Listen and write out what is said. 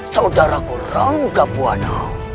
saudaraku rangga buana